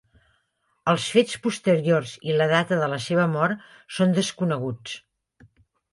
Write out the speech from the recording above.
Els fets posteriors i la data de la seva mort són desconeguts.